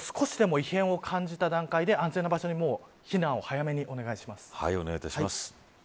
少しでも異変を感じた段階で安全な場所へ避難を早めにお願いします。